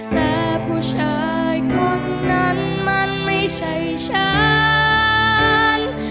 แต่ผู้ชายคนนั้นมันไม่ใช่ฉัน